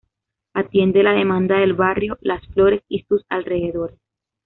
Atiende la demanda del barrio Las Flores y sus alrededores.